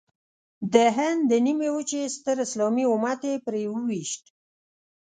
د هند د نیمې وچې ستر اسلامي امت یې پرې وويشت.